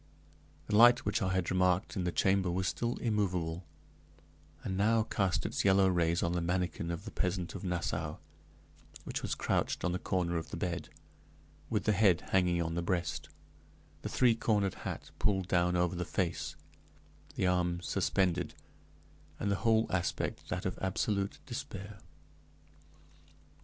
The light which I had remarked in the chamber was still immovable, and now cast its yellow rays on the manikin of the peasant of Nassau, which was crouched on the corner of the bed, with the head hanging on the breast, the three cornered hat pulled down over the face, the arms suspended, and the whole aspect that of absolute despair.